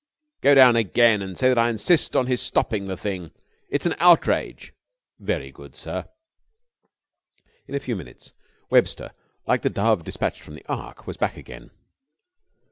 "Go down again and say that I insist on his stopping the thing. It's an outrage." "Very good, sir." In a few minutes, Webster, like the dove despatched from the Ark, was back again.